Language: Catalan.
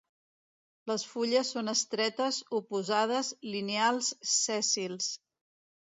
Les fulles són estretes, oposades, lineals, sèssils.